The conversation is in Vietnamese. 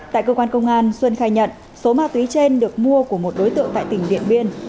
tại cơ quan công an xuân khai nhận số ma túy trên được mua của một đối tượng tại tỉnh điện biên